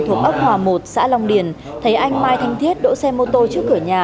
thuộc ấp hòa một xã long điền thấy anh mai thanh thiết đỗ xe mô tô trước cửa nhà